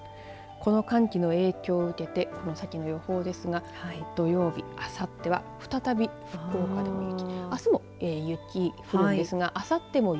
この寒気の影響を受けてこの先の予報ですが土曜日、あさっては再び福岡でも雪。